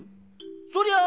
そりゃあ